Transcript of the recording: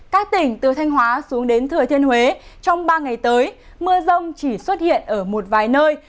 các tỉnh từ thanh hóa xuống đến thừa thiên huế trong ba ngày tới mưa rông chỉ xuất hiện ở một vài nơi